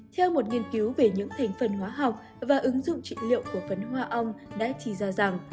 theo một nghiên cứu về những thành phần hóa học và ứng dụng trị liệu của phấn hoa ông đã chỉ ra rằng